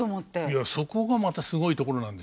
いやそこがまたすごいところなんですよ。